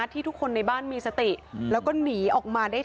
ที่ทุกคนในบ้านมีสติแล้วก็หนีออกมาได้ทัน